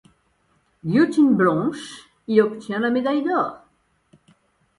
Guillotine Blanche y obtient la médaille d'or.